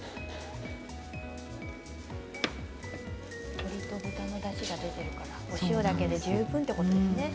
鶏と豚のだしが出ているからお塩だけで十分ということですね。